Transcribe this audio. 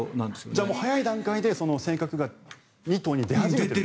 じゃあ早い段階で性格が出始めると。